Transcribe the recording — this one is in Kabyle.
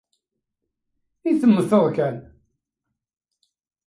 I temmteḍ kan?